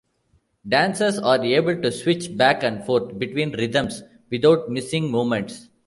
Dancers are able to switch back and forth between rhythms without missing movements.